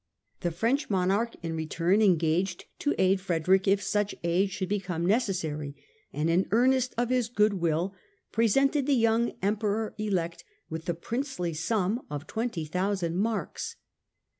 The French monarch, in return, engaged to aid Frederick if such aid should become necessary, and in earnest of his good will presented the young Emperor elect with the princely sum of 20,000 marks.